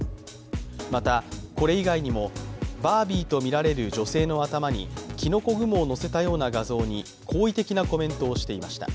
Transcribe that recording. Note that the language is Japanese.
また、これ以外にもバービーとみられる女性の頭にきのこ雲をのせたような画像に好意的なコメントをしていました。